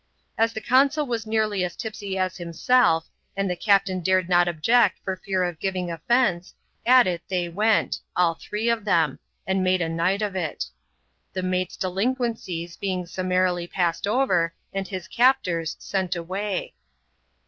As the consul was nearly as tipsy as himself and tke captain dared not object for fear of giving offence, at it tiMj went, — all three of them, — and made a night of it; the mate's delinquencies being summarily passed over, and his capton sent away.